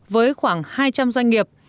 với khoảng hai trăm linh doanh nghiệp